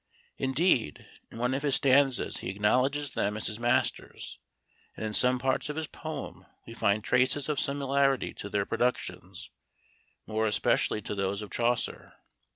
Indeed, in one of his stanzas he acknowledges them as his masters; and in some parts of his poem we find traces of similarity to their productions, more especially to those of Chaucer.